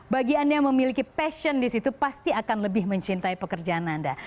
bagi anda yang memiliki passion di situ pasti akan lebih mencintai pekerjaan anda